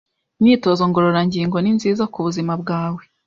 Imyitozo ngororangingo ni nziza kubuzima bwawe.